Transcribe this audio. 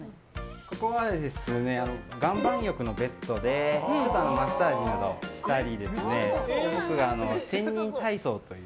ここは岩盤浴のベッドでちょっとマッサージなどしたり僕が仙人体操という。